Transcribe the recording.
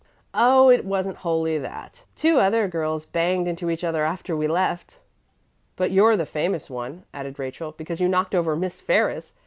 "Oh, it wasn't wholly that. Two other girls banged into each other after we left." "But you're the famous one," added Rachel, "because you knocked over Miss Ferris.